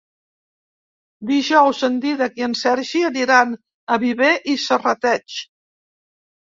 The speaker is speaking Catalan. Dijous en Dídac i en Sergi aniran a Viver i Serrateix.